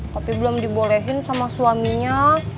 tapi belum dibolehin sama suaminya